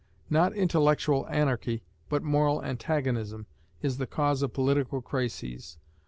Not intellectual anarchy, but moral antagonism, is the cause of political crises.